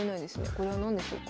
これは何でしょうか？